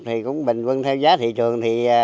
thì cũng bình quân theo giá thị trường